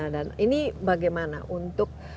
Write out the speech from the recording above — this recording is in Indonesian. dan ini bagaimana untuk